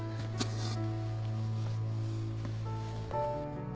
うん